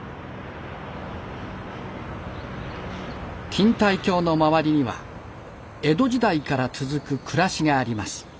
錦帯橋の周りには江戸時代から続く暮らしがあります。